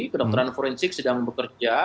kedokteran forensik sedang bekerja